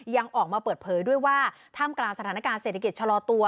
ยังออกมาเปิดเผยด้วยว่าท่ามกลางสถานการณ์เศรษฐกิจชะลอตัว